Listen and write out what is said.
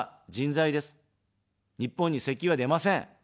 日本に石油は出ません。